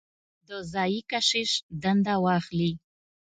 د ځايي کشیش دنده واخلي.